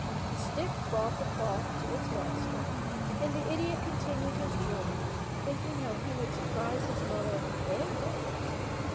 The stick brought the cloth to its master, and the idiot continued his journey, thinking how he would surprise his mother and brothers.